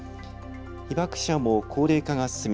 被爆者も高齢化が進み